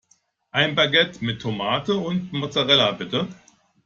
Ein Baguette mit Tomate und Mozzarella, bitte!